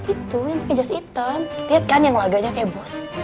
itu yang pakai jas hitam lihat kan yang laganya kayak bos